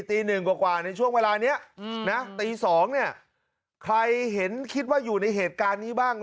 ตีหนึ่งกว่าในช่วงเวลานี้นะตี๒เนี่ยใครเห็นคิดว่าอยู่ในเหตุการณ์นี้บ้าง